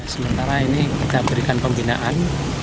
sementara ini kita berikan pembinaan